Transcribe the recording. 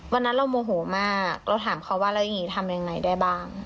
วันนั้นเราโมโหมากเราถามเขาว่าแล้วอย่างนี้ทำยังไงได้บ้าง